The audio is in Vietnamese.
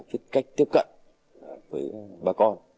có một cách tiếp cận với bà con